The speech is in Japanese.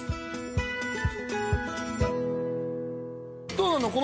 どうなの？